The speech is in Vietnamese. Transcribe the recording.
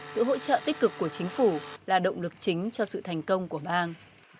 sự hỗ trợ tích cực của chính phủ là động lực chính cho sự thành công của bang